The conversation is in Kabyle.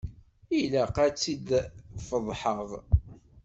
Ilaq ad tt-idfeḍḥeɣ.